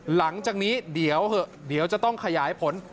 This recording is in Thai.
หลังจากนี้เดี๋ยวจะต้องขยายผล